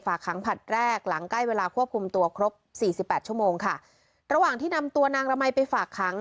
ขังผลัดแรกหลังใกล้เวลาควบคุมตัวครบสี่สิบแปดชั่วโมงค่ะระหว่างที่นำตัวนางละมัยไปฝากขัง